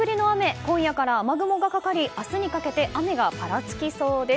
今夜から雨雲がかかり明日にかけて雨がぱらつきそうです。